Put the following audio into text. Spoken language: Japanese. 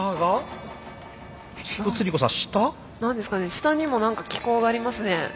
下にも何か機構がありますね。